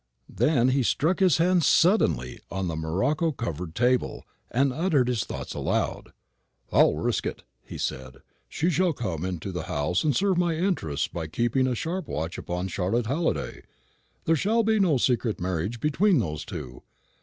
Then he struck his hand suddenly on the morocco covered table, and uttered his thoughts aloud. "I'll risk it," he said; "she shall come into the house and serve my interests by keeping a sharp watch upon Charlotte Halliday. There shall be no secret marriage between those two.